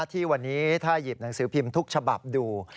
ที่วันนี้ถ้าหยิบหนังสือพิมพ์ทุกฉบับดู